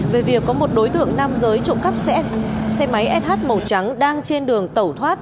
về việc có một đối tượng nam giới trộm cắp xe máy sh màu trắng đang trên đường tẩu thoát